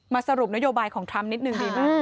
สรุปนโยบายของทรัมป์นิดนึงดีไหม